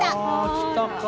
来たか。